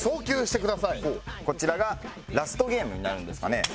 こちらがラストゲームになるんですかね？